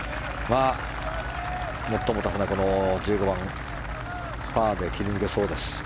もっともタフなこの１５番パーで切り抜けそうです。